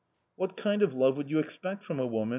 " What kind of love would you expect from a woman